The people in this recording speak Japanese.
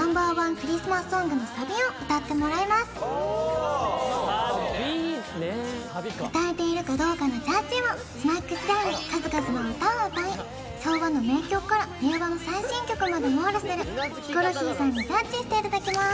クリスマスソングのサビを歌ってもらいます・ああサビね歌えているかどうかのジャッジはスナック時代に数々の歌を歌い昭和の名曲から令和の最新曲まで網羅するヒコロヒーさんにジャッジしていただきます